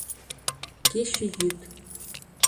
Кече-йӱд